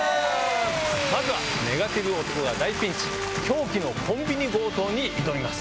まずはネガティブ男が大ピンチ、狂気のコンビニ強盗に挑みます。